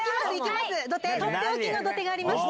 とっておきの土手がありまして。